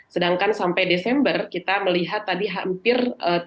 sedangkan sampai desember kita melihat tadi hampir tiga puluh lima